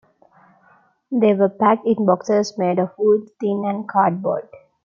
They were packed in boxes made of wood, tin and cardboard.